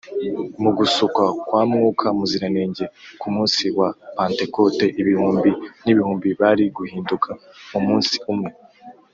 . Mu gusukwa kwa Mwuka Muziranenge ku munsi wa Pantekote, ibihumbi n’ibihumbi bari guhinduka mu munsi umwe